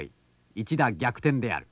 一打逆転である。